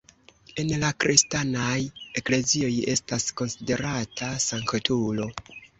En la kristanaj eklezioj estas konsiderata sanktulo.